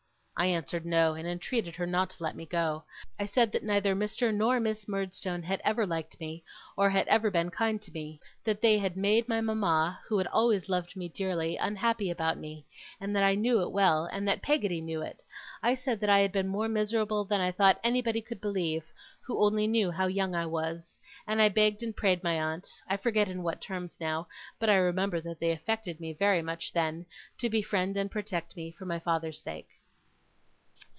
I answered no, and entreated her not to let me go. I said that neither Mr. nor Miss Murdstone had ever liked me, or had ever been kind to me. That they had made my mama, who always loved me dearly, unhappy about me, and that I knew it well, and that Peggotty knew it. I said that I had been more miserable than I thought anybody could believe, who only knew how young I was. And I begged and prayed my aunt I forget in what terms now, but I remember that they affected me very much then to befriend and protect me, for my father's sake.